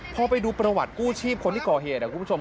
พอไปดูประวัติกู้ชีพคนที่ก่อเหตุคุณผู้ชม